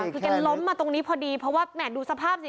คือแกล้มมาตรงนี้พอดีเพราะว่าแห่ดูสภาพสิ